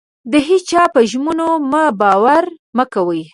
د هيچا په ژمنو مه باور مه کوئ.